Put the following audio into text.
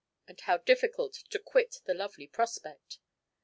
and how difficult to quit the lovely prospect!